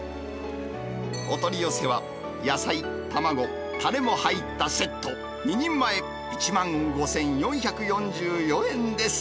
お取り寄せは野菜、卵、たれも入ったセット、２人前１万５４４４円です。